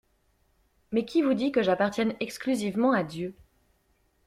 Mais qui vous dit que j'appartienne exclusivement à Dieu?